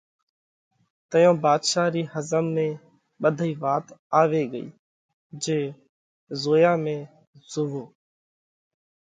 تئيون ڀاڌشا رِي ۿزم ۾ ٻڌئِي وات آوي ڳئِي جي “زويا ۾ زووَو”